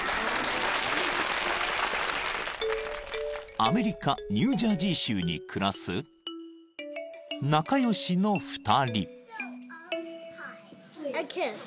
［アメリカニュージャージー州に暮らす仲良しの２人］